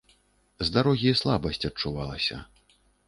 З дарогі слабасць адчувалася.